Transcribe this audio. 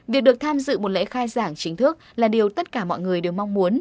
việc được tham dự một lễ khai giảng chính thức là điều tất cả mọi người đều mong muốn